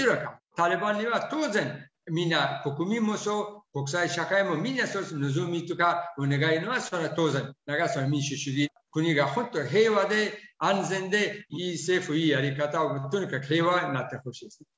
タリバンには当然、みんな国民も国際社会もみんな望みとかお願いというのはそれは当然、民主主義、国がもっと安全でいい政府、いいやり方を、とにかく平和になってほしい。